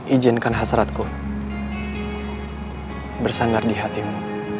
ijinkan hasratku bersandar di hatimu